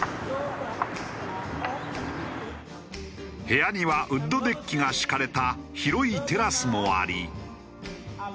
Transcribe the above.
部屋にはウッドデッキが敷かれた広いテラスもあり。